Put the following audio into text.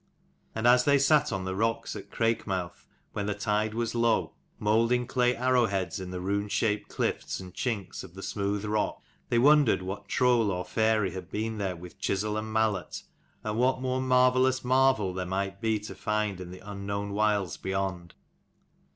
And as they sat on the rocks at Crakemouth when the tide was low moulding clay arrowheads in the rune shaped clifts and chinks of the smooth rock, they wondered what troll or fairy had been there with chisel and mallet, and what more marvel lous marvel there might be to find in the unknown wilds beyond.